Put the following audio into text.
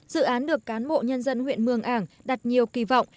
dự án được cán bộ nhân dân huyện mường ảng đặt nhiều kỳ vọng